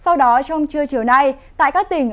sau đó trong trưa chiều nay tại các tỉnh